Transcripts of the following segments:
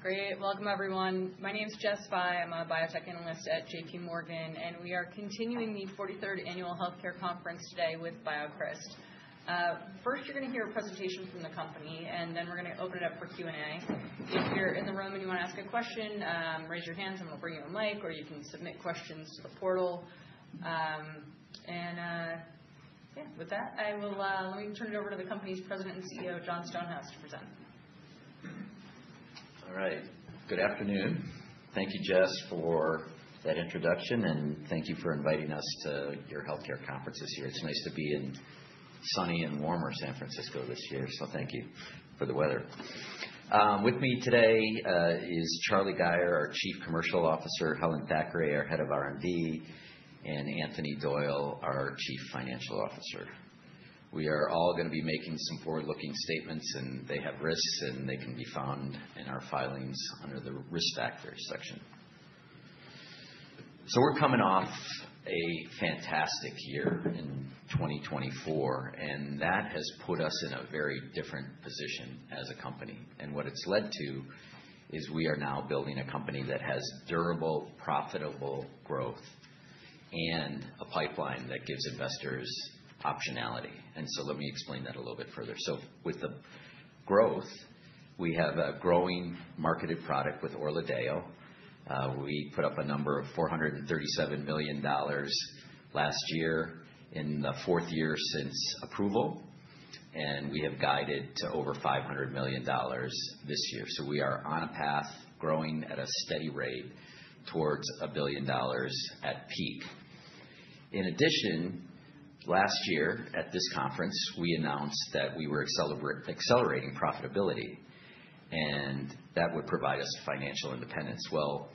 Great. Welcome, everyone. My name's Jess Fye. I'm a biotech analyst at J.P. Morgan, and we are continuing the 43rd Annual Healthcare Conference today with BioCryst. First, you're going to hear a presentation from the company, and then we're going to open it up for Q&A. If you're in the room and you want to ask a question, raise your hand and we'll bring you a mic, or you can submit questions to the portal. And yeah, with that, let me turn it over to the company's President and CEO, Jon Stonehouse, to present. All right. Good afternoon. Thank you, Jess Fye, for that introduction, and thank you for inviting us to your healthcare conference this year. It's nice to be in sunny and warmer San Francisco this year, so thank you for the weather. With me today is Charlie Gayer, our Chief Commercial Officer, Helen Thackray, our Head of R&D, and Anthony Doyle, our Chief Financial Officer. We are all going to be making some forward-looking statements, and they have risks, and they can be found in our filings under the risk factors section. So we're coming off a fantastic year in 2024, and that has put us in a very different position as a company. And what it's led to is we are now building a company that has durable, profitable growth and a pipeline that gives investors optionality. And so let me explain that a little bit further. So with the growth, we have a growing marketed product with ORLADEYO. We put up a number of $437 million last year in the fourth year since approval, and we have guided to over $500 million this year. So we are on a path growing at a steady rate towards $1 billion at peak. In addition, last year at this conference, we announced that we were accelerating profitability, and that would provide us financial independence. Well,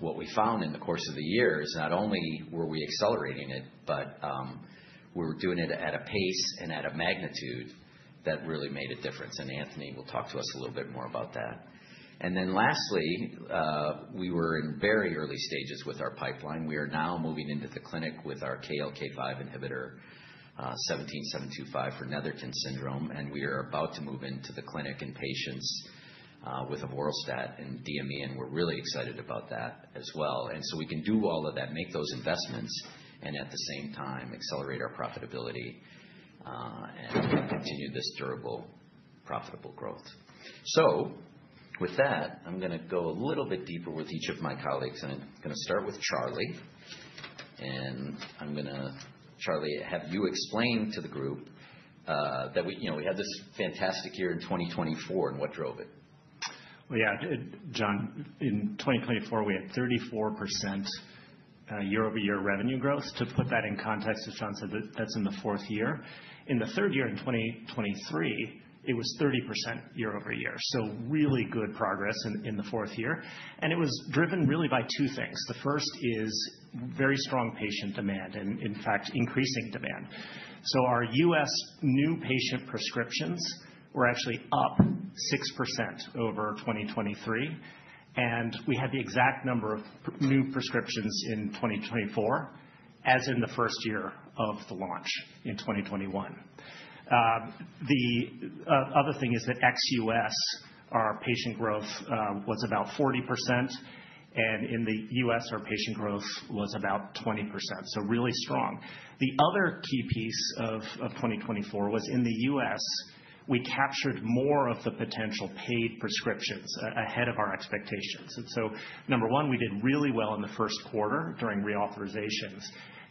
what we found in the course of the year is not only were we accelerating it, but we were doing it at a pace and at a magnitude that really made a difference. And Anthony Doyle will talk to us a little bit more about that. And then lastly, we were in very early stages with our pipeline. We are now moving into the clinic with our KLK5 inhibitor BCX17725 for Netherton syndrome, and we are about to move into the clinic and patients with avoralstat and DME, and we're really excited about that as well. And so we can do all of that, make those investments, and at the same time accelerate our profitability and continue this durable, profitable growth. So with that, I'm going to go a little bit deeper with each of my colleagues, and I'm going to start with Charlie Gayer. And I'm going to, Charlie Gayer, have you explain to the group that we had this fantastic year in 2024 and what drove it. Yeah, Jon Stonehouse, in 2024, we had 34% year-over-year revenue growth. To put that in context, as Jon Stonehouse said, that's in the fourth year. In the third year in 2023, it was 30% year-over-year. Really good progress in the fourth year. It was driven really by two things. The first is very strong patient demand and, in fact, increasing demand. Our U.S. new patient prescriptions were actually up 6% over 2023, and we had the exact number of new prescriptions in 2024 as in the first year of the launch in 2021. The other thing is that ex-U.S., our patient growth, was about 40%, and in the U.S., our patient growth was about 20%. Really strong. The other key piece of 2024 was in the U.S., we captured more of the potential paid prescriptions ahead of our expectations. And so number one, we did really well in the first quarter during reauthorizations,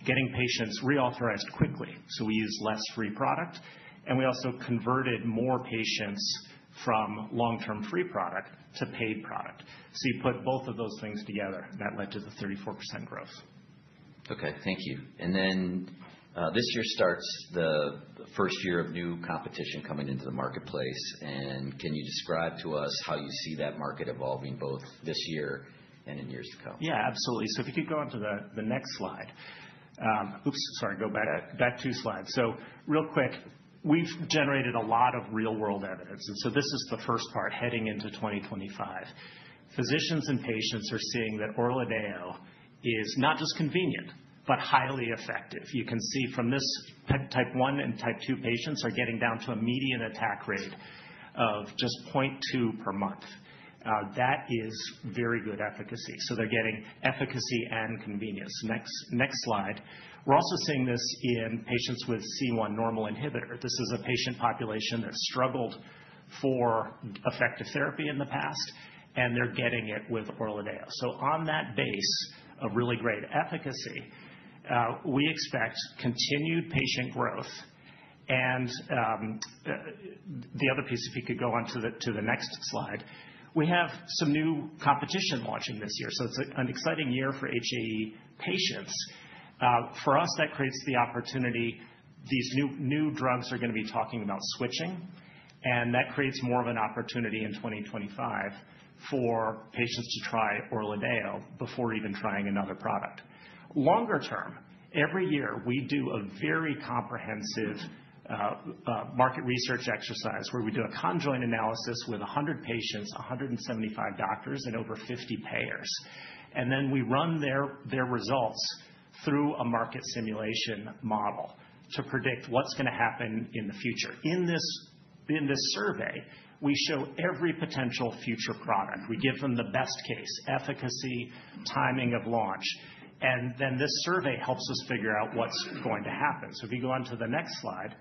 getting patients reauthorized quickly. So we used less free product, and we also converted more patients from long-term free product to paid product. So you put both of those things together, and that led to the 34% growth. Okay. Thank you. And then this year starts the first year of new competition coming into the marketplace. And can you describe to us how you see that market evolving both this year and in years to come? Yeah, absolutely. So if you could go on to the next slide. Oops, sorry. Go back two slides. So real quick, we've generated a lot of real-world evidence. And so this is the first part heading into 2025. Physicians and patients are seeing that ORLADEYO is not just convenient, but highly effective. You can see from this Type 1 and Type 2 patients are getting down to a median attack rate of just 0.2 per month. That is very good efficacy. So they're getting efficacy and convenience. Next slide. We're also seeing this in patients with C1 normal inhibitor. This is a patient population that struggled for effective therapy in the past, and they're getting it with ORLADEYO. So on that base of really great efficacy, we expect continued patient growth. And the other piece, if you could go on to the next slide, we have some new competition launching this year. So it's an exciting year for HAE patients. For us, that creates the opportunity. These new drugs are going to be talking about switching, and that creates more of an opportunity in 2025 for patients to try ORLADEYO before even trying another product. Longer term, every year we do a very comprehensive market research exercise where we do a conjoint analysis with 100 patients, 175 doctors, and over 50 payers. And then we run their results through a market simulation model to predict what's going to happen in the future. In this survey, we show every potential future product. We give them the best case, efficacy, timing of launch. And then this survey helps us figure out what's going to happen. If you go on to the next slide,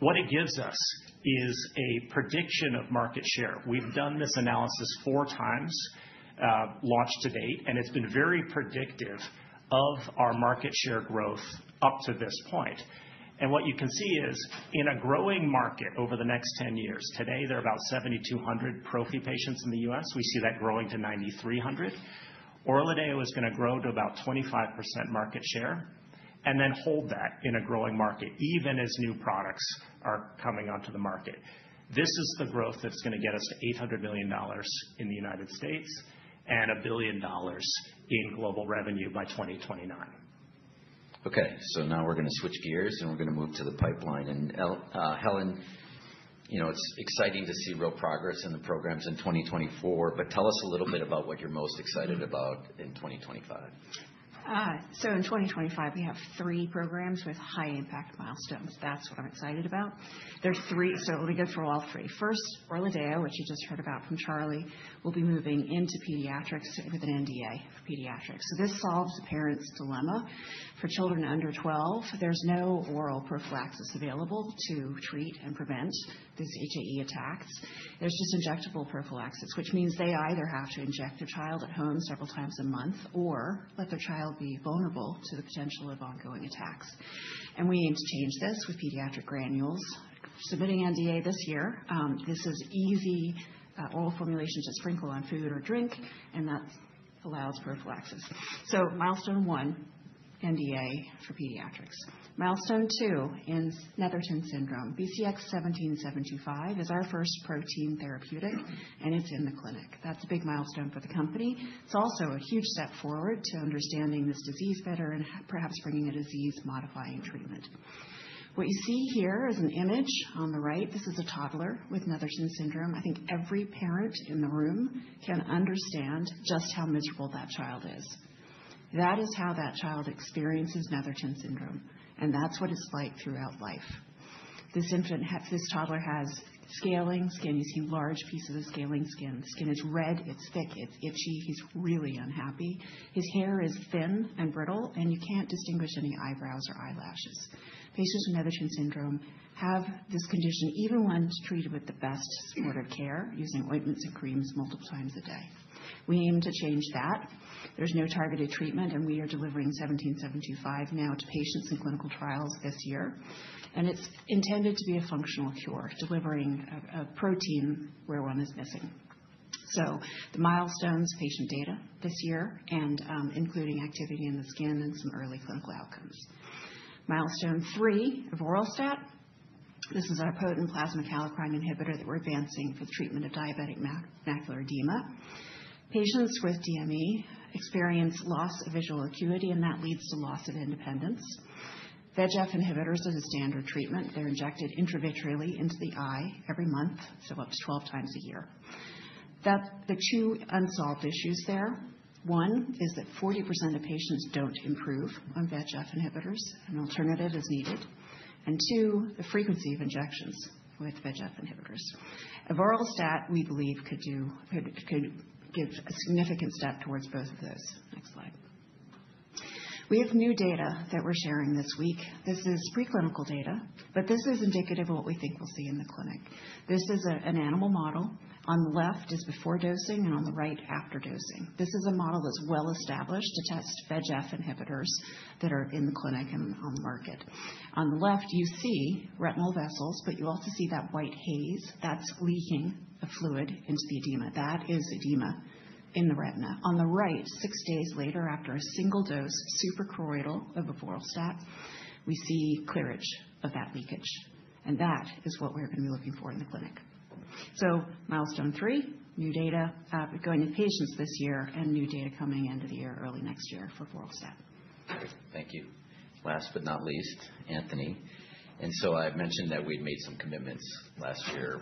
what it gives us is a prediction of market share. We've done this analysis four times launch to date, and it's been very predictive of our market share growth up to this point. What you can see is in a growing market over the next 10 years, today there are about 7,200 prophy patients in the U.S. We see that growing to 9,300. ORLADEYO is going to grow to about 25% market share and then hold that in a growing market even as new products are coming onto the market. This is the growth that's going to get us to $800 million in the United States and $1 billion in global revenue by 2029. Okay. So now we're going to switch gears and we're going to move to the pipeline. And Helen Thackray, it's exciting to see real progress in the programs in 2024, but tell us a little bit about what you're most excited about in 2025? So in 2025, we have three programs with high-impact milestones. That's what I'm excited about. So we'll go through all three. First, ORLADEYO, which you just heard about from Charlie Gayer, will be moving into pediatrics with an NDA for pediatrics. So this solves the parents' dilemma. For children under 12, there's no oral prophylaxis available to treat and prevent these HAE attacks. There's just injectable prophylaxis, which means they either have to inject their child at home several times a month or let their child be vulnerable to the potential of ongoing attacks. And we aim to change this with pediatric granules. Submitting NDA this year, this is easy oral formulations to sprinkle on food or drink, and that allows prophylaxis. So milestone one, NDA for pediatrics. Milestone two in Netherton syndrome, BCX17725 is our first protein therapeutic, and it's in the clinic. That's a big milestone for the company. It's also a huge step forward to understanding this disease better and perhaps bringing a disease-modifying treatment. What you see here is an image on the right. This is a toddler with Netherton syndrome. I think every parent in the room can understand just how miserable that child is. That is how that child experiences Netherton syndrome, and that's what it's like throughout life. This toddler has scaling skin. You see large pieces of scaling skin. The skin is red. It's thick. It's itchy. He's really unhappy. His hair is thin and brittle, and you can't distinguish any eyebrows or eyelashes. Patients with Netherton syndrome have this condition, even when treated with the best sort of care, using ointments and creams multiple times a day. We aim to change that. There's no targeted treatment, and we are delivering BCX17725 now to patients in clinical trials this year. And it's intended to be a functional cure, delivering a protein where one is missing. So the milestones, patient data this year, and including activity in the skin and some early clinical outcomes. Milestone three of avoralstat. This is our potent plasma kallikrein inhibitor that we're advancing for the treatment of diabetic macular edema. Patients with DME experience loss of visual acuity, and that leads to loss of independence. VEGF inhibitors are the standard treatment. They're injected intravitreally into the eye every month, so up to 12 times a year. The two unsolved issues there, one is that 40% of patients don't improve on VEGF inhibitors, and an alternative is needed. And two, the frequency of injections with VEGF inhibitors. avoralstat, we believe could give a significant step towards both of those. Next slide. We have new data that we're sharing this week. This is preclinical data, but this is indicative of what we think we'll see in the clinic. This is an animal model. On the left is before dosing, and on the right, after dosing. This is a model that's well-established to test VEGF inhibitors that are in the clinic and on the market. On the left, you see retinal vessels, but you also see that white haze that's leaking the fluid into the edema. That is edema in the retina. On the right, six days later, after a single dose suprachoroidal of avoralstat, we see clearance of that leakage. That is what we're going to be looking for in the clinic, so milestone three, new data, going to patients this year and new data coming into the year early next year for avoralstat. Thank you. Last but not least, Anthony Doyle. And so I mentioned that we'd made some commitments last year.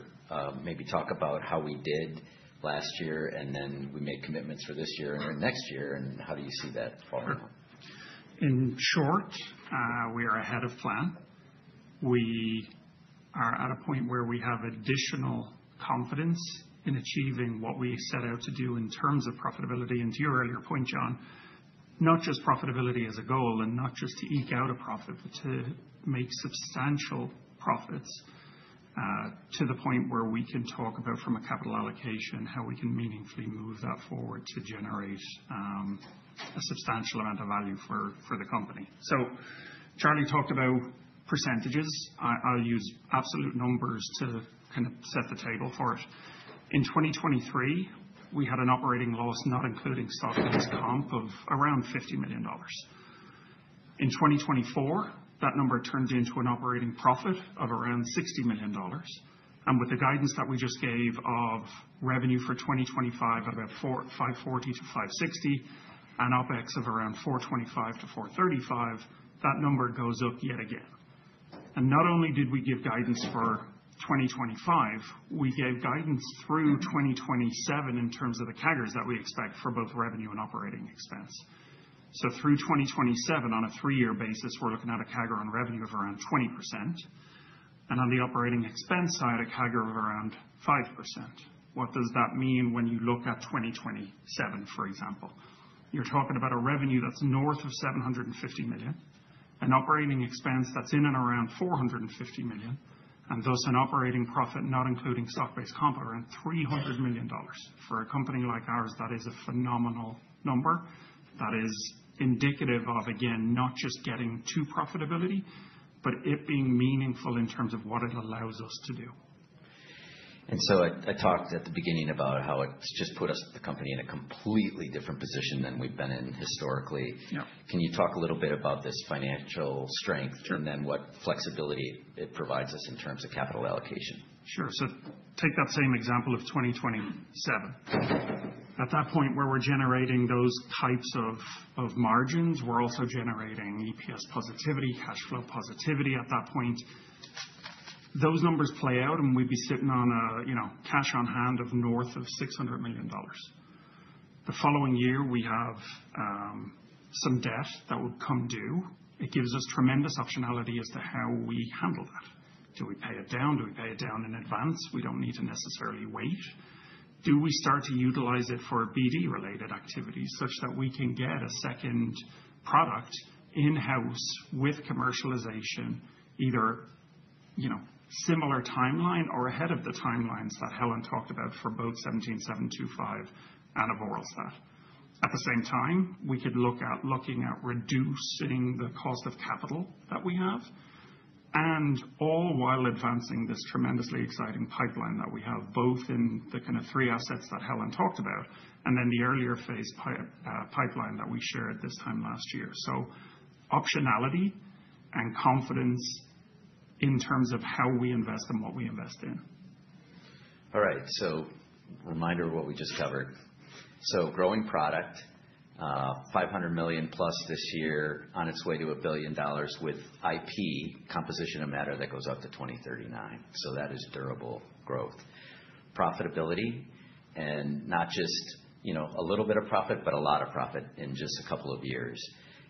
Maybe talk about how we did last year and then we made commitments for this year and next year, and how do you see that falling? In short, we are ahead of plan. We are at a point where we have additional confidence in achieving what we set out to do in terms of profitability. And to your earlier point, Jon Stonehouse, not just profitability as a goal and not just to eke out a profit, but to make substantial profits to the point where we can talk about from a capital allocation how we can meaningfully move that forward to generate a substantial amount of value for the company. So Charlie Gayer talked about percentages. I'll use absolute numbers to kind of set the table for it. In 2023, we had an operating loss, not including stock-based comp, of around $50 million. In 2024, that number turned into an operating profit of around $60 million. And with the guidance that we just gave of revenue for 2025 at about $540-$560 million and OpEx of around $425-$435 million, that number goes up yet again. And not only did we give guidance for 2025, we gave guidance through 2027 in terms of the CAGRs that we expect for both revenue and operating expense. So through 2027, on a three-year basis, we're looking at a CAGR on revenue of around 20%. And on the operating expense side, a CAGR of around 5%. What does that mean when you look at 2027, for example? You're talking about a revenue that's north of $750 million and operating expense that's in and around $450 million, and thus an operating profit, not including stock-based comp, around $300 million. For a company like ours, that is a phenomenal number. That is indicative of, again, not just getting to profitability, but it being meaningful in terms of what it allows us to do. I talked at the beginning about how it's just put us, the company, in a completely different position than we've been in historically. Can you talk a little bit about this financial strength and then what flexibility it provides us in terms of capital allocation? Sure. So take that same example of 2027. At that point where we're generating those types of margins, we're also generating EPS positivity, cash flow positivity at that point. Those numbers play out, and we'd be sitting on a cash on hand of north of $600 million. The following year, we have some debt that would come due. It gives us tremendous optionality as to how we handle that. Do we pay it down? Do we pay it down in advance? We don't need to necessarily wait. Do we start to utilize it for BD-related activities such that we can get a second product in-house with commercialization, either similar timeline or ahead of the timelines that Helen Thackray talked about for both BCX17725 and avoralstat? At the same time, we could look at reducing the cost of capital that we have, and all while advancing this tremendously exciting pipeline that we have, both in the kind of three assets that Helen Thackray talked about and then the earlier phase pipeline that we shared this time last year, so optionality and confidence in terms of how we invest and what we invest in. All right. So reminder of what we just covered. So growing product, $500 million plus this year on its way to $1 billion with IP, composition of matter that goes up to 2039. So that is durable growth. Profitability and not just a little bit of profit, but a lot of profit in just a couple of years.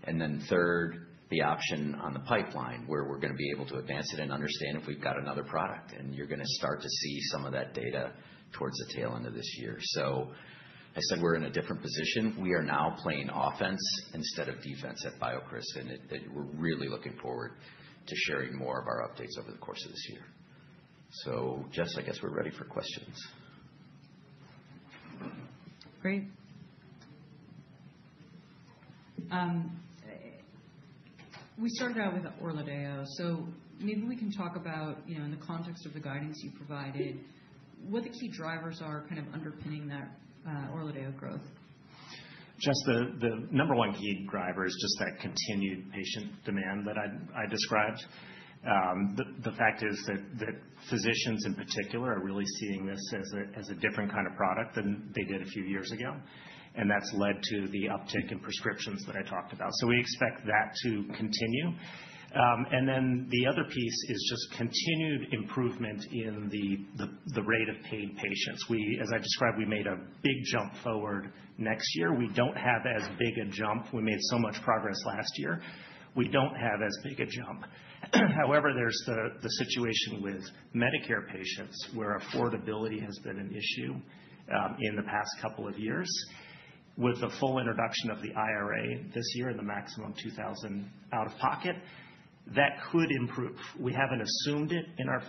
And then third, the option on the pipeline where we're going to be able to advance it and understand if we've got another product. And you're going to start to see some of that data towards the tail end of this year. So I said we're in a different position. We are now playing offense instead of defense at BioCryst, and we're really looking forward to sharing more of our updates over the course of this year. So Jess Fye, I guess we're ready for questions. Great. We started out with ORLADEYO. So maybe we can talk about, in the context of the guidance you provided, what the key drivers are kind of underpinning that ORLADEYO growth. Jess Fye, the number one key driver is just that continued patient demand that I described. The fact is that physicians in particular are really seeing this as a different kind of product than they did a few years ago, and that's led to the uptick in prescriptions that I talked about. We expect that to continue, and then the other piece is just continued improvement in the rate of paid patients. As I described, we made a big jump forward next year. We don't have as big a jump. We made so much progress last year. We don't have as big a jump. However, there's the situation with Medicare patients where affordability has been an issue in the past couple of years. With the full introduction of the IRA this year and the maximum $2,000 out of pocket, that could improve. We haven't assumed it in our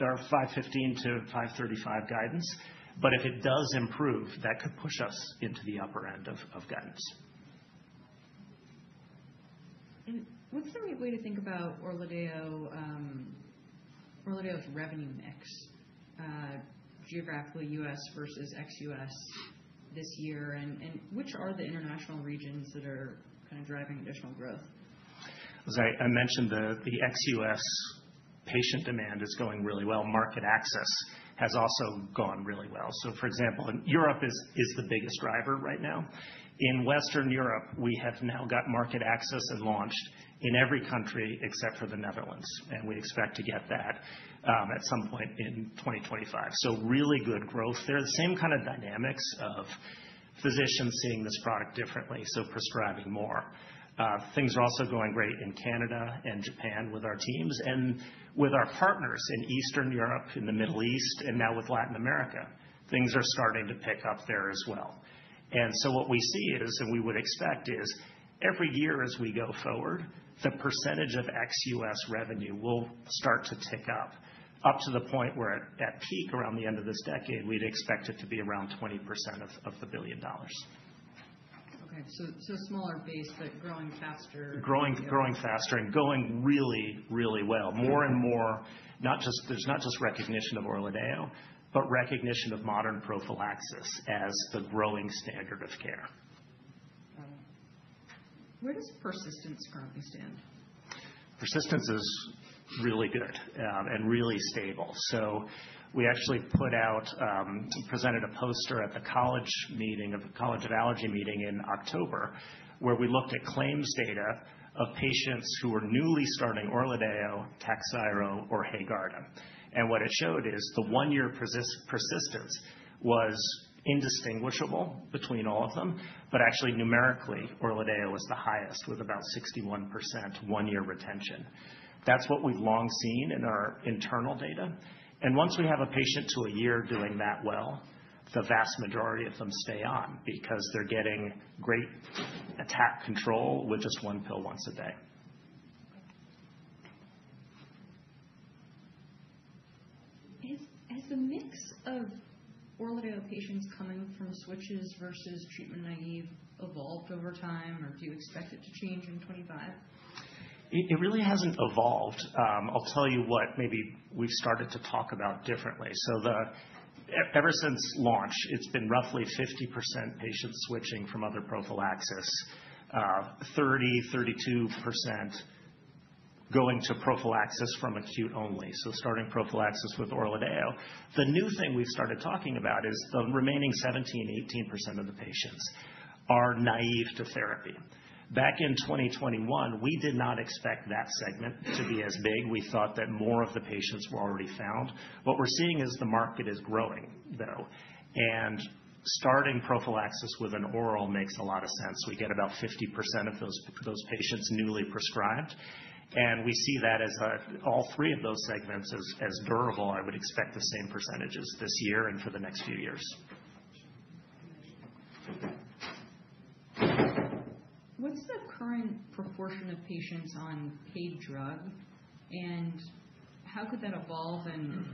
$515-$535 guidance, but if it does improve, that could push us into the upper end of guidance. What's the right way to think about ORLADEYO's revenue mix? Geographically, U.S. versus ex-U.S. this year, and which are the international regions that are kind of driving additional growth? I mentioned the ex-U.S. patient demand is going really well. Market access has also gone really well. So for example, Europe is the biggest driver right now. In Western Europe, we have now got market access and launched in every country except for the Netherlands. And we expect to get that at some point in 2025. So really good growth there. The same kind of dynamics of physicians seeing this product differently, so prescribing more. Things are also going great in Canada and Japan with our teams and with our partners in Eastern Europe, in the Middle East, and now with Latin America. Things are starting to pick up there as well. And so what we see is, and we would expect is, every year as we go forward, the percentage of ex-U.S. Revenue will start to tick up to the point where at peak around the end of this decade, we'd expect it to be around 20% of the $1 billion. Okay, so smaller base, but growing faster. Growing faster and going really, really well. More and more, there's not just recognition of ORLADEYO, but recognition of modern prophylaxis as the growing standard of care. Where does Persistence currently stand? Persistence is really good and really stable. So we actually put out, presented a poster at the College of Allergy meeting in October where we looked at claims data of patients who were newly starting ORLADEYO, Takhzyro, or Haegarda. And what it showed is the one-year persistence was indistinguishable between all of them, but actually numerically, ORLADEYO was the highest with about 61% one-year retention. That's what we've long seen in our internal data. And once we have a patient to a year doing that well, the vast majority of them stay on because they're getting great attack control with just one pill once a day. Has the mix of ORLADEYO patients coming from switches versus treatment-naive evolved over time, or do you expect it to change in 2025? It really hasn't evolved. I'll tell you what, maybe we've started to talk about differently, so ever since launch, it's been roughly 50% patients switching from other prophylaxis, 30%-32% going to prophylaxis from acute only, so starting prophylaxis with ORLADEYO. The new thing we've started talking about is the remaining 17%-18% of the patients are naive to therapy. Back in 2021, we did not expect that segment to be as big. We thought that more of the patients were already found. What we're seeing is the market is growing, though, and starting prophylaxis with an oral makes a lot of sense. We get about 50% of those patients newly prescribed, and we see that as all three of those segments as durable. I would expect the same percentages this year and for the next few years. What's the current proportion of patients on paid drug, and how could that evolve, and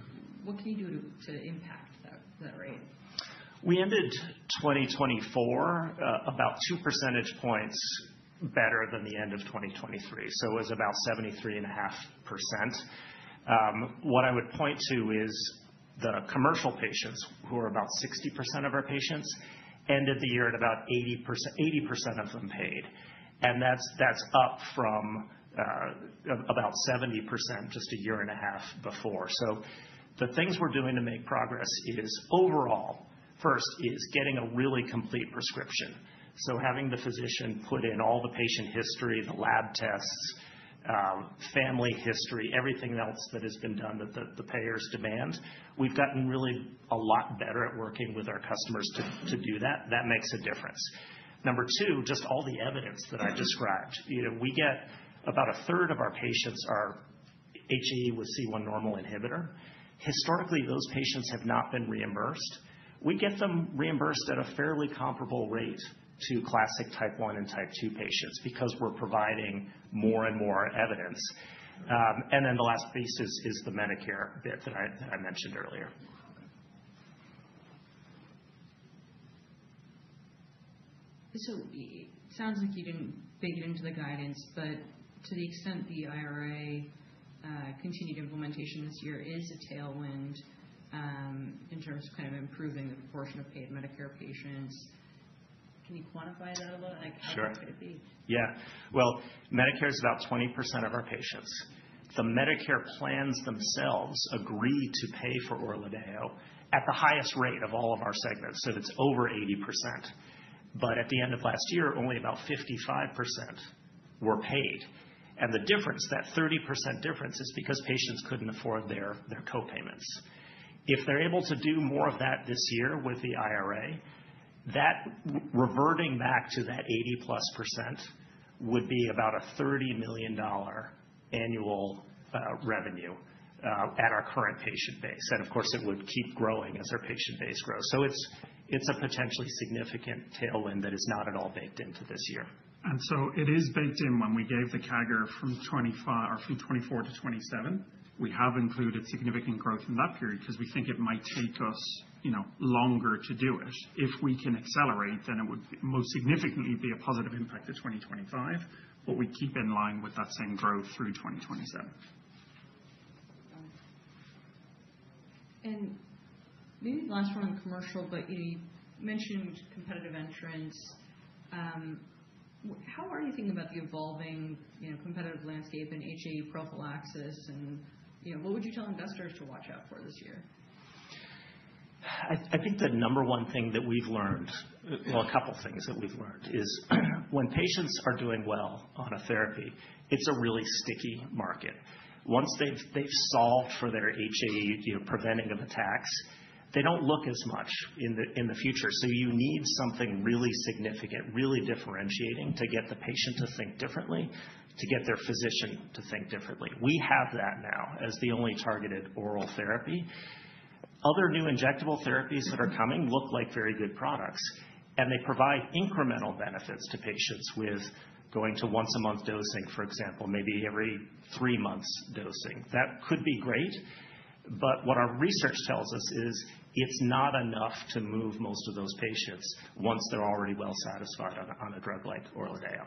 what can you do to impact that rate? We ended 2024 about two percentage points better than the end of 2023. So it was about 73.5%. What I would point to is the commercial patients, who are about 60% of our patients, ended the year at about 80% of them paid. And that's up from about 70% just a year and a half before. So the things we're doing to make progress is overall, first, is getting a really complete prescription. So having the physician put in all the patient history, the lab tests, family history, everything else that has been done that the payers demand, we've gotten really a lot better at working with our customers to do that. That makes a difference. Number two, just all the evidence that I described. We get about a third of our patients are HAE with C1 normal inhibitor. Historically, those patients have not been reimbursed. We get them reimbursed at a fairly comparable rate to classic type one and type two patients because we're providing more and more evidence. And then the last piece is the Medicare bit that I mentioned earlier. So it sounds like you didn't dig into the guidance, but to the extent the IRA continued implementation this year is a tailwind in terms of kind of improving the proportion of paid Medicare patients, can you quantify that a little bit? How big could it be? Sure. Yeah. Well, Medicare is about 20% of our patients. The Medicare plans themselves agree to pay for ORLADEYO at the highest rate of all of our segments, so it's over 80%. But at the end of last year, only about 55% were paid. And the difference, that 30% difference, is because patients couldn't afford their co-payments. If they're able to do more of that this year with the IRA, that reverting back to that 80%+ would be about a $30 million annual revenue at our current patient base. And of course, it would keep growing as our patient base grows. So it's a potentially significant tailwind that is not at all baked into this year. It is baked in when we gave the CAGR from 2024 to 2027. We have included significant growth in that period because we think it might take us longer to do it. If we can accelerate, then it would most significantly be a positive impact to 2025, but we keep in line with that same growth through 2027. Maybe the last one on commercial, but you mentioned competitive entrants. How are you thinking about the evolving competitive landscape in HAE prophylaxis, and what would you tell investors to watch out for this year? I think the number one thing that we've learned, well, a couple of things that we've learned, is when patients are doing well on a therapy, it's a really sticky market. Once they've solved for their HAE, preventing of attacks, they don't look as much in the future. So you need something really significant, really differentiating to get the patient to think differently, to get their physician to think differently. We have that now as the only targeted oral therapy. Other new injectable therapies that are coming look like very good products, and they provide incremental benefits to patients with going to once-a-month dosing, for example, maybe every three months dosing. That could be great, but what our research tells us is it's not enough to move most of those patients once they're already well satisfied on a drug like ORLADEYO.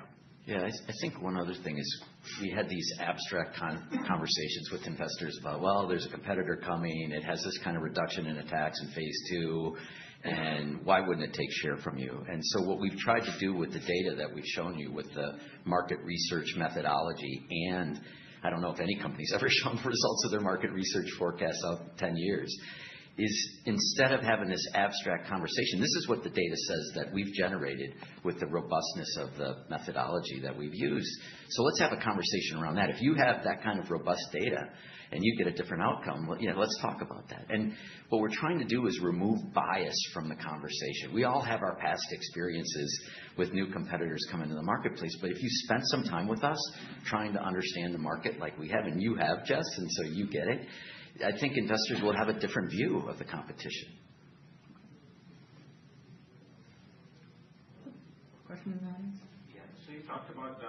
Yeah. I think one other thing is we had these abstract conversations with investors about, "Well, there's a competitor coming. It has this kind of reduction in attacks in phase II, and why wouldn't it take share from you?" And so what we've tried to do with the data that we've shown you with the market research methodology, and I don't know if any company's ever shown the results of their market research forecasts out 10 years, is instead of having this abstract conversation, this is what the data says that we've generated with the robustness of the methodology that we've used. So let's have a conversation around that. If you have that kind of robust data and you get a different outcome, well, let's talk about that. And what we're trying to do is remove bias from the conversation. We all have our past experiences with new competitors coming to the marketplace, but if you spend some time with us trying to understand the market like we have, and you have, Jess Fye, and so you get it. I think investors will have a different view of the competition. Question in the audience? Yeah. So you talked about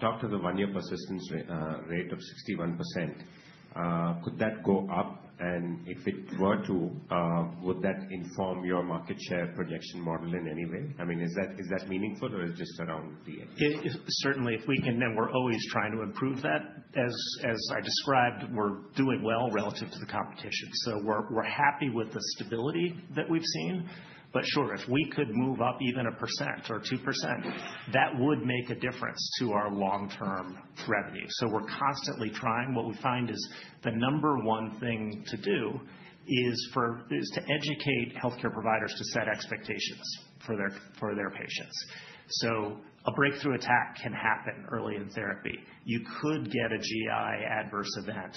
the one-year persistence rate. You talked of the one-year persistence rate of 61%. Could that go up? And if it were to, would that inform your market share projection model in any way? I mean, is that meaningful, or is it just around the edge? Certainly, if we can, then we're always trying to improve that. As I described, we're doing well relative to the competition. So we're happy with the stability that we've seen. But sure, if we could move up even 1% or 2%, that would make a difference to our long-term revenue. So we're constantly trying. What we find is the number one thing to do is to educate healthcare providers to set expectations for their patients. So a breakthrough attack can happen early in therapy. You could get a GI adverse event.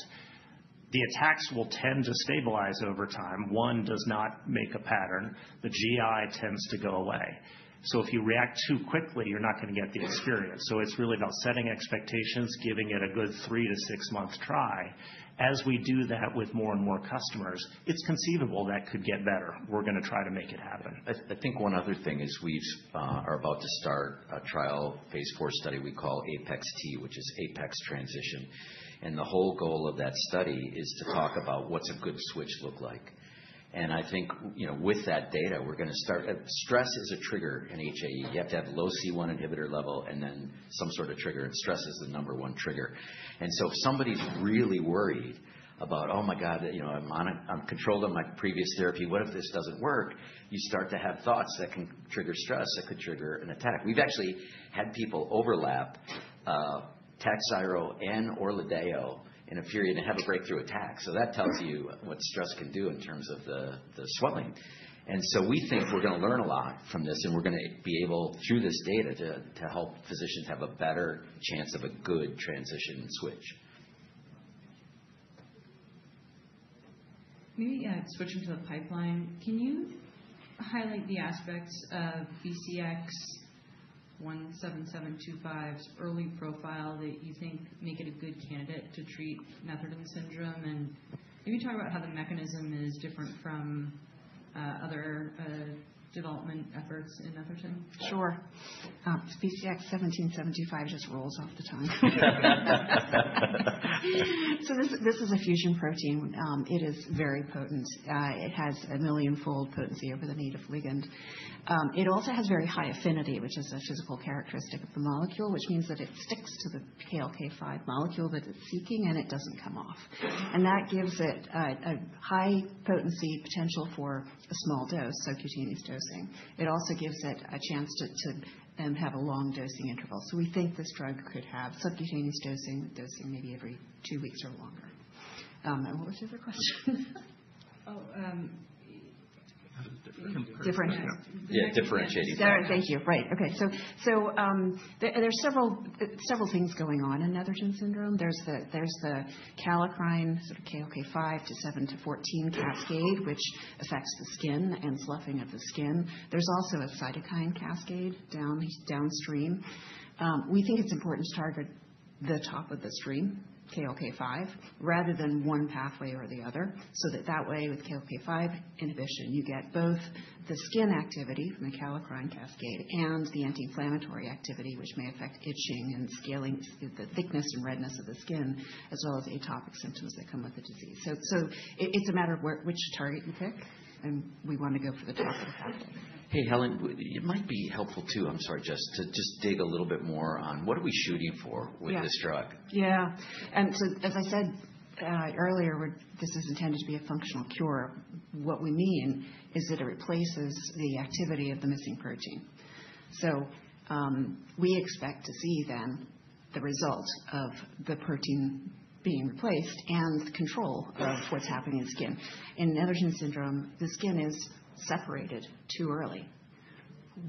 The attacks will tend to stabilize over time. One does not make a pattern. The GI tends to go away. So if you react too quickly, you're not going to get the experience. So it's really about setting expectations, giving it a good three- to six-month try. As we do that with more and more customers, it's conceivable that could get better. We're going to try to make it happen. I think one other thing is we are about to start a trial phase IV study we call APEX-T, which is apex transition. And the whole goal of that study is to talk about what's a good switch look like. And I think with that data, we're going to start. Stress is a trigger in HAE. You have to have low C1 inhibitor level and then some sort of trigger, and stress is the number one trigger. And so if somebody's really worried about, "Oh my God, I'm controlled on my previous therapy. What if this doesn't work?" You start to have thoughts that can trigger stress, that could trigger an attack. We've actually had people overlap Takhzyro and ORLADEYO in a period and have a breakthrough attack. So that tells you what stress can do in terms of the swelling. And so we think we're going to learn a lot from this, and we're going to be able, through this data, to help physicians have a better chance of a good transition switch. Maybe switching to the pipeline, can you highlight the aspects of BCX17725's early profile that you think make it a good candidate to treat Netherton syndrome? And maybe talk about how the mechanism is different from other development efforts in Netherton. Sure. BCX17725 just rolls off the tongue. So this is a fusion protein. It is very potent. It has a million-fold potency over the native ligand. It also has very high affinity, which is a physical characteristic of the molecule, which means that it sticks to the KLK5 molecule that it's seeking, and it doesn't come off. And that gives it a high potency potential for a small dose, subcutaneous dosing. It also gives it a chance to have a long dosing interval. So we think this drug could have subcutaneous dosing, dosing maybe every two weeks or longer. And what was the other question? Oh. Differentiating. Yeah, differentiating. Thank you. Right. Okay. So there are several things going on in Netherton syndrome. There's the kallikrein sort of KLK5 to KLK7 to KLK14 cascade, which affects the skin and sloughing of the skin. There's also a cytokine cascade downstream. We think it's important to target the top of the stream, KLK5, rather than one pathway or the other. So that way, with KLK5 inhibition, you get both the skin activity from the kallikrein cascade and the anti-inflammatory activity, which may affect itching and scaling, the thickness and redness of the skin, as well as atopic symptoms that come with the disease. So it's a matter of which target you pick, and we want to go for the top of the pathway. Hey, Helen Thackray, it might be helpful too. I'm sorry, Jess Fye, to just dig a little bit more on what are we shooting for with this drug? Yeah, and as I said earlier, this is intended to be a functional cure. What we mean is that it replaces the activity of the missing protein, so we expect to see then the result of the protein being replaced and control of what's happening in the skin. In Netherton syndrome, the skin is separated too early.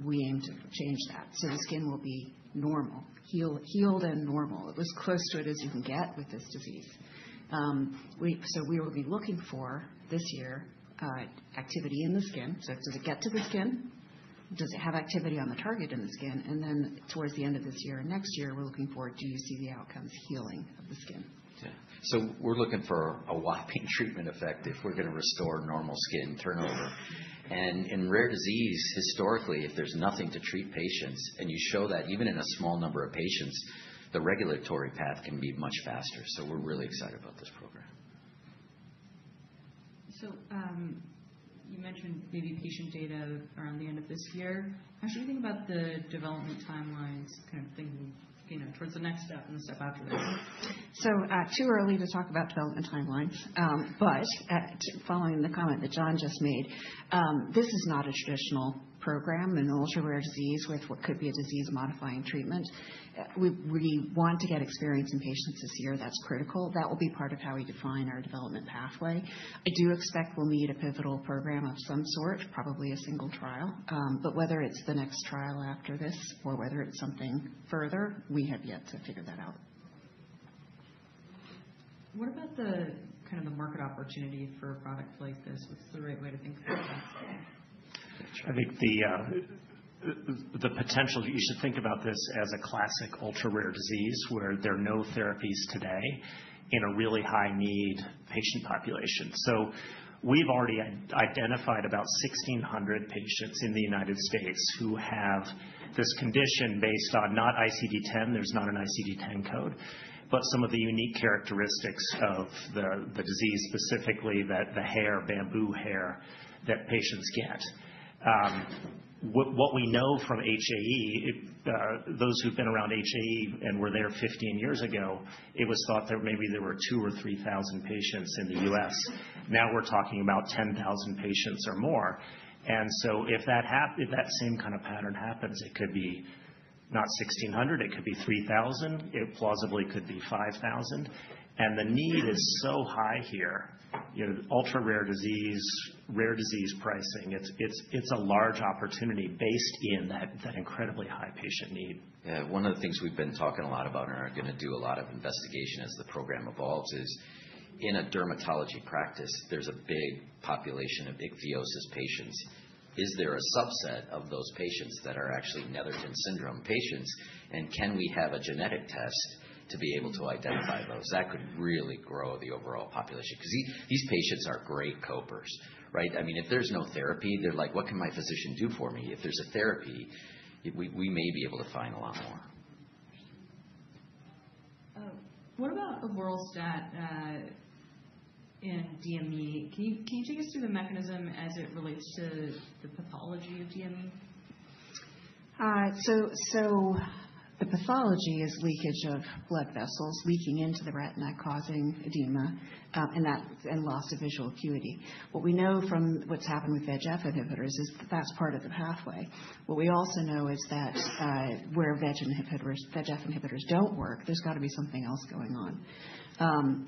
We aim to change that, so the skin will be normal, healed and normal. It'll be as close to it as you can get with this disease. So we will be looking for this year activity in the skin. So does it get to the skin? Does it have activity on the target in the skin? And then towards the end of this year and next year, we're looking for, do you see the outcomes healing of the skin? Yeah. So we're looking for a whopping treatment effect if we're going to restore normal skin turnover, and in rare disease, historically, if there's nothing to treat patients and you show that even in a small number of patients, the regulatory path can be much faster. So we're really excited about this program. You mentioned maybe patient data around the end of this year. How should we think about the development timelines, kind of thinking towards the next step and the step after that? It's too early to talk about development timelines, but following the comment that Jon Stonehouse just made, this is not a traditional program in an ultra-rare disease with what could be a disease-modifying treatment. We want to get experience in patients this year. That's critical. That will be part of how we define our development pathway. I do expect we'll need a pivotal program of some sort, probably a single trial, but whether it's the next trial after this or whether it's something further, we have yet to figure that out. What about kind of the market opportunity for a product like this? What's the right way to think about that? I think the potential that you should think about this as a classic ultra-rare disease where there are no therapies today in a really high-need patient population. So we've already identified about 1,600 patients in the United States who have this condition based on not ICD-10. There's not an ICD-10 code, but some of the unique characteristics of the disease, specifically the hair, bamboo hair that patients get. What we know from HAE, those who've been around HAE and were there 15 years ago, it was thought that maybe there were 2,000 or 3,000 patients in the U.S. Now we're talking about 10,000 patients or more. And so if that same kind of pattern happens, it could be not 1,600, it could be 3,000. It plausibly could be 5,000. And the need is so high here. Ultra-rare disease, rare disease pricing, it's a large opportunity based in that incredibly high patient need. Yeah. One of the things we've been talking a lot about and are going to do a lot of investigation as the program evolves is in a dermatology practice, there's a big population, a `big ichthyosis patients. Is there a subset of those patients that are actually Netherton syndrome patients, and can we have a genetic test to be able to identify those? That could really grow the overall population because these patients are great copers, right? I mean, if there's no therapy, they're like, "What can my physician do for me?" If there's a therapy, we may be able to find a lot more. What about overall status in DME? Can you take us through the mechanism as it relates to the pathology of DME? So the pathology is leakage of blood vessels leaking into the retina, causing edema and loss of visual acuity. What we know from what's happened with VEGF inhibitors is that that's part of the pathway. What we also know is that where VEGF inhibitors don't work, there's got to be something else going on.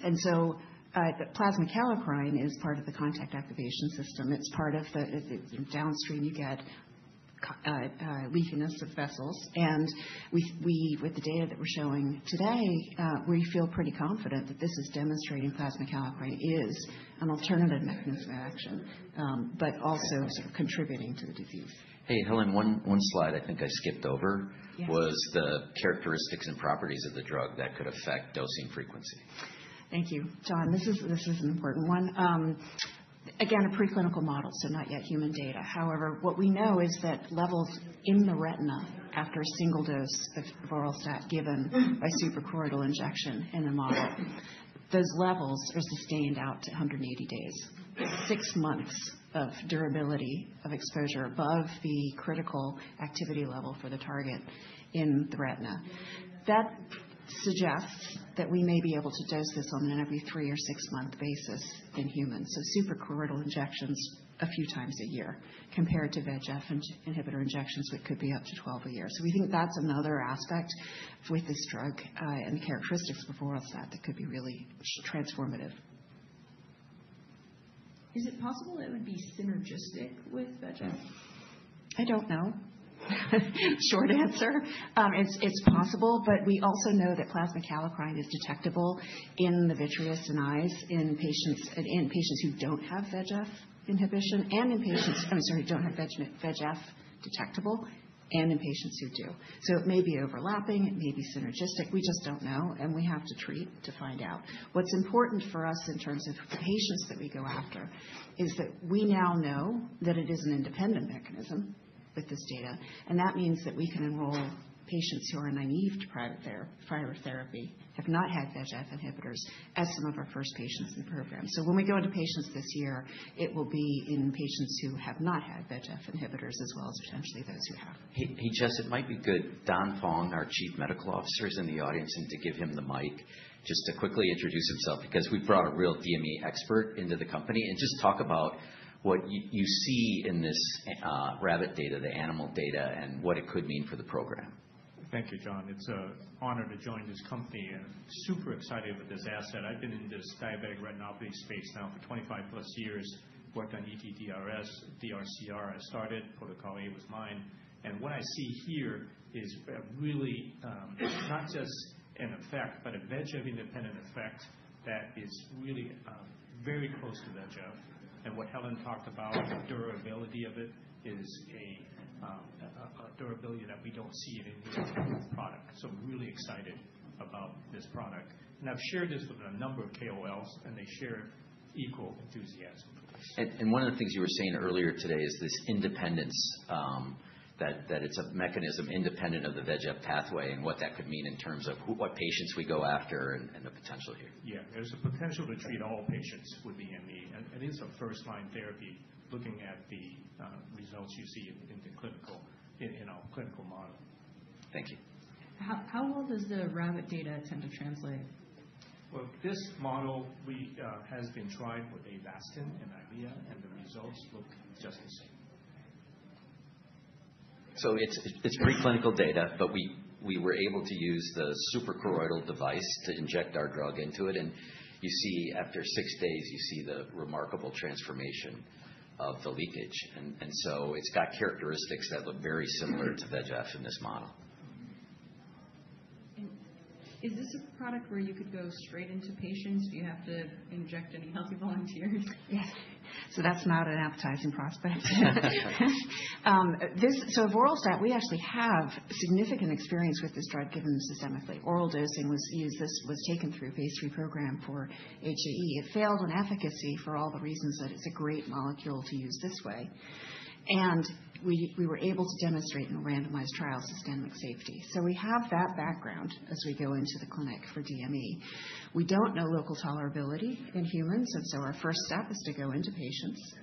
And so plasma kallikrein is part of the contact activation system. It's part of the downstream you get leakiness of vessels. And with the data that we're showing today, we feel pretty confident that this is demonstrating plasma kallikrein is an alternative mechanism of action, but also sort of contributing to the disease. Hey, Helen Thackray, one slide I think I skipped over was the characteristics and properties of the drug that could affect dosing frequency. Thank you. Jon Stonehouse, this is an important one. Again, a preclinical model, so not yet human data. However, what we know is that levels in the retina after a single dose of avoralstat given by suprachoroidal injection in the model, those levels are sustained out to 180 days. Six months of durability of exposure above the critical activity level for the target in the retina. That suggests that we may be able to dose this on an every three or six-month basis in humans. So suprachoroidal injections a few times a year compared to VEGF inhibitor injections, which could be up to 12 a year. So we think that's another aspect with this drug and the characteristics of avoralstat that could be really transformative. Is it possible that it would be synergistic with VEGF? I don't know. Short answer. It's possible, but we also know that plasma kallikrein is detectable in the vitreous and eyes in patients who don't have VEGF inhibition and in patients—I'm sorry, don't have VEGF detectable and in patients who do. So it may be overlapping. It may be synergistic. We just don't know, and we have to treat to find out. What's important for us in terms of the patients that we go after is that we now know that it is an independent mechanism with this data. And that means that we can enroll patients who are naive to prior therapy, have not had VEGF inhibitors as some of our first patients in the program. So when we go into patients this year, it will be in patients who have not had VEGF inhibitors as well as potentially those who have. Hey, Jess, it might be good. Don Fong, our Chief Medical Officer, is in the audience, and to give him the mic just to quickly introduce himself because we brought a real DME expert into the company and just talk about what you see in this rabbit data, the animal data, and what it could mean for the program. Thank you, Jon Stonehouse. It's an honor to join this company. I'm super excited with this asset. I've been in this diabetic retinopathy space now for 25+ years. Worked on ETDRS, DRCR. I started. Protocol A was mine, and what I see here is really not just an effect, but a VEGF-independent effect that is really very close to VEGF, and what Helen talked about, the durability of it, is a durability that we don't see in any other product, so I'm really excited about this product, and I've shared this with a number of KOLs, and they share equal enthusiasm for this. And one of the things you were saying earlier today is this independence that it's a mechanism independent of the VEGF pathway and what that could mean in terms of what patients we go after and the potential here. Yeah. There's a potential to treat all patients with DME, and it is a first-line therapy looking at the results you see in our clinical model. Thank you. How well does the rabbit data tend to translate? This model has been tried with Avastin and Eylea, and the results look just the same. It's preclinical data, but we were able to use the suprachoroidal device to inject our drug into it. You see after six days, you see the remarkable transformation of the leakage. It's got characteristics that look very similar to VEGF in this model. Is this a product where you could go straight into patients? Do you have to inject any healthy volunteers? Yes. So that's not an appetizing prospect. So, avoralstat, we actually have significant experience with this drug given systemically. Oral dosing was used. This was taken through a phase three program for HAE. It failed on efficacy for all the reasons that it's a great molecule to use this way. And we were able to demonstrate in a randomized trial systemic safety. So we have that background as we go into the clinic for DME. We don't know local tolerability in humans. And so our first step is to go into patients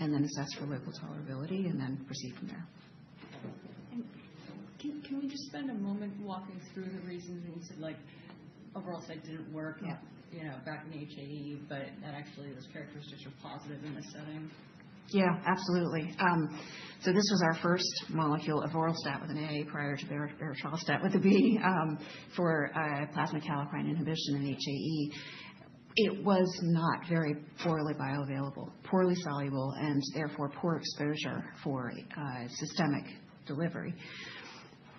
and then assess for local tolerability and then proceed from there. Can we just spend a moment walking through the reasons when you said avoralstat didn't work back in HAE, but that actually those characteristics are positive in this setting? Yeah, absolutely. So this was our first molecule of avoralstat with an A prior to berotralstat with a B for plasma kallikrein inhibition in HAE. It was not very poorly bioavailable, poorly soluble, and therefore poor exposure for systemic delivery.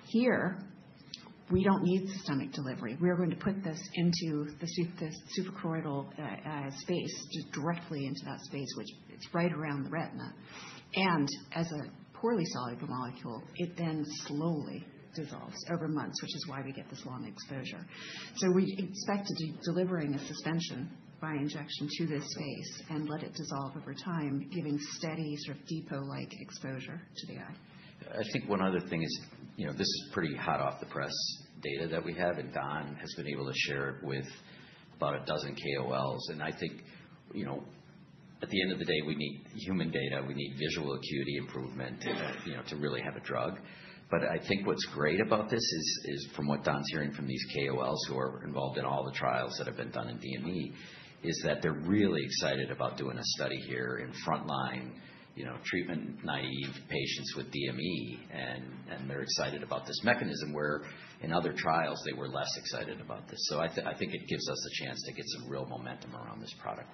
Here, we don't need systemic delivery. We are going to put this into the suprachoroidal space, directly into that space, which it's right around the retina. And as a poorly soluble molecule, it then slowly dissolves over months, which is why we get this long exposure. So we expected to deliver a suspension by injection to this space and let it dissolve over time, giving steady sort of depot-like exposure to the eye. I think one other thing is this is pretty hot off the press data that we have, and Don Fong has been able to share it with about a dozen KOLs, and I think at the end of the day, we need human data. We need visual acuity improvement to really have a drug, but I think what's great about this is from what Don Fong hearing from these KOLs who are involved in all the trials that have been done in DME is that they're really excited about doing a study here in frontline treatment-naive patients with DME, and they're excited about this mechanism where in other trials, they were less excited about this, so I think it gives us a chance to get some real momentum around this product.